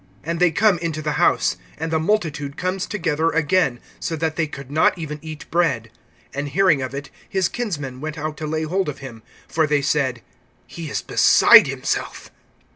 And they come into the house. (20)And the multitude comes together again, so that they could not even eat bread. (21)And hearing of it, his kinsmen went out to lay hold of him; for they said: He is beside himself.